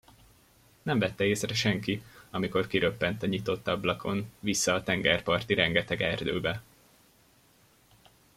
Nem vette észre senki, amikor kiröppent a nyitott ablakon, vissza a tengerparti rengeteg erdőbe.